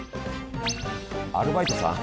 アルバイトさん？